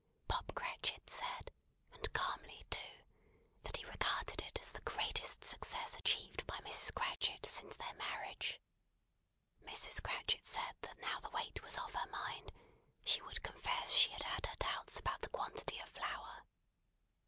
Bob Cratchit said, and calmly too, that he regarded it as the greatest success achieved by Mrs. Cratchit since their marriage. Mrs. Cratchit said that now the weight was off her mind, she would confess she had had her doubts about the quantity of flour.